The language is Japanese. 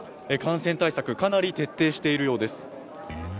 感染対策かなり徹底しているようです。